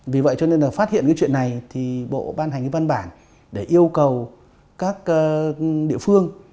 vì vậy cho nên là phát hiện cái chuyện này thì bộ ban hành cái văn bản để yêu cầu các địa phương